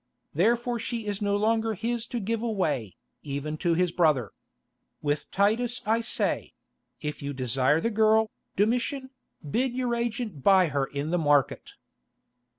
Therefore she is no longer his to give away, even to his brother. With Titus I say—if you desire the girl, Domitian, bid your agent buy her in the market."